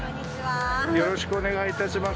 よろしくお願いします。